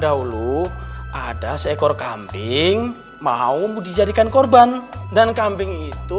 dahulu ada seekor kambing mau dijadikan korban dan kambing itu